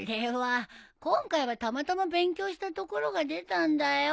今回はたまたま勉強したところが出たんだよ。